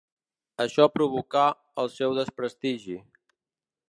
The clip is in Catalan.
Això provocà el seu desprestigi.